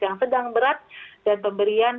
yang sedang berat dan pemberian